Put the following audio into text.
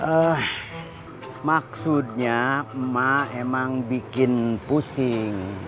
eh maksudnya emak emang bikin pusing